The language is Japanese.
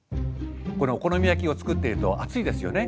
このお好み焼きを作っていると熱いですよね。